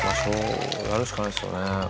やるしかないですよね